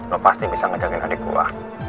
lo pasti bisa ngejagain adik gue